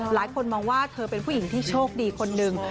หลายคนมองว่าเธอเป็นผู้หญิงที่โชคดีคนหนึ่ง